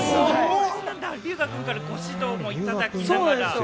龍芽くんからご指導もいただきながら。